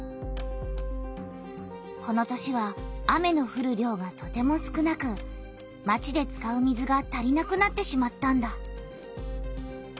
この年は雨のふる量がとても少なくまちで使う水が足りなくなってしまったんだ。